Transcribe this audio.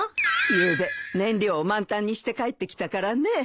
ゆうべ燃料を満タンにして帰ってきたからねえ。